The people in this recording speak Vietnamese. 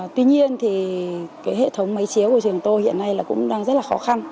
tuy nhiên thì hệ thống máy chiếu của trường tôi hiện nay cũng đang rất là khó khăn